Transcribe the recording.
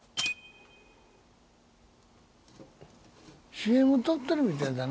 ＣＭ撮ってるみたいだな。